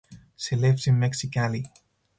She lives in Mexicali.